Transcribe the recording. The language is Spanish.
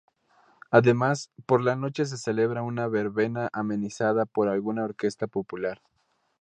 Además, por la noche se celebra una verbena amenizada por alguna orquesta popular.